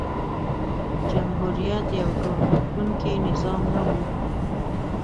جمهوریت یو ټولغوښتونکی نظام نه و.